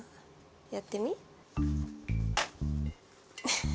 やってみ？